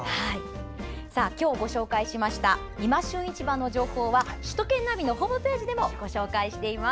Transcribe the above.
今日ご紹介しました情報は首都圏ナビのホームページでもご紹介しています。